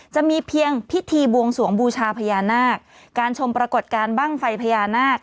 จะมีเพียงพิธีบวงสวงบูชาพญานาคการชมปรากฏการณ์บ้างไฟพญานาค